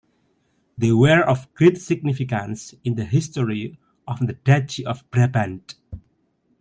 They were of great significance in the history of the duchy of Brabant.